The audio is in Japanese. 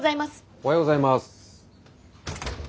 おはようございます。